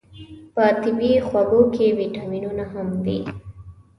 په طبیعي خوږو کې ویتامینونه هم وي.